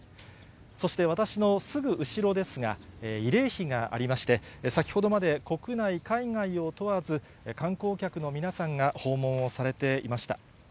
そして、私のすぐ後ろですが、慰霊碑がありまして、先ほどまで国内、海外を問わず、観光客の皆さんが訪問をされていました。